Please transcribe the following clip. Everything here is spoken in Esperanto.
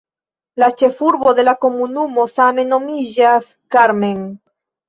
La ĉefurbo de la komunumo same nomiĝas "Carmen".